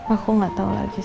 aku gak tau lagi